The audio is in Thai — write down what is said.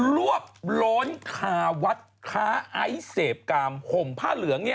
รวบโล้นคาวัดค้าไอซ์เสพกามห่มผ้าเหลือง